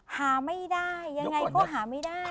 หาไม่ได้ยังไงก็หาไม่ได้